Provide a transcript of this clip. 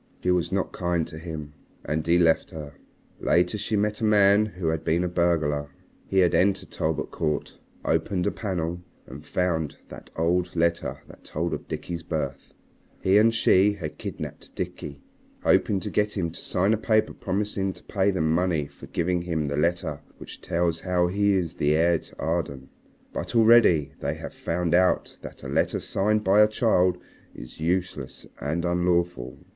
She was not kind to him. And he left her. Later she met a man who had been a burglar. He had entered Talbot Court, opened a panel, and found that old letter that told of Dickie's birth. He and she have kidnapped Dickie, hoping to get him to sign a paper promising to pay them money for giving him the letter which tells how he is heir to Arden. But already they have found out that a letter signed by a child is useless and unlawful.